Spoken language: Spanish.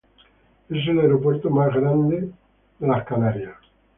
Es el aeropuerto más grande de Wisconsin.